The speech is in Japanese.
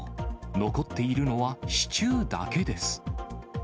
残っているのは支柱だけです。